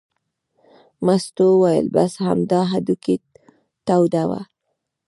مستو وویل: بس همدا هډوکي تودوه.